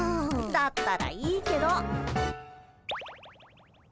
だったらいいけど。